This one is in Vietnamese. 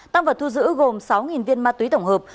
tăng vật thu giữ gồm sáu viên ma túy tổng hợp